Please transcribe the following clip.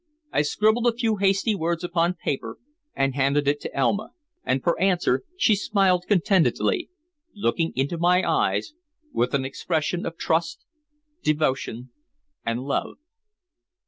I scribbled a few hasty words upon paper and handed it to Elma. And for answer she smiled contentedly, looking into my eyes with an expression of trust, devotion and love.